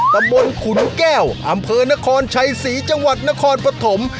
ตำบลขุนแก้วอำเภอนครชัยศรีจังหวัดนครปฐม